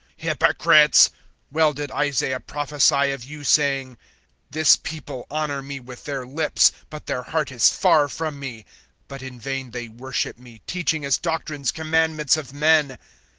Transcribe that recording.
(7)Hypocrites! Well did Isaiah prophesy of you, saying: (8)This people honor me with their lips, But their heart is far from me. (9)But in vain they worship me, Teaching as doctrines commandments of men.